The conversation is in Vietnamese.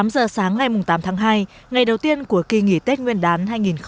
tám giờ sáng ngày tám tháng hai ngày đầu tiên của kỳ nghỉ tết nguyên đán hai nghìn hai mươi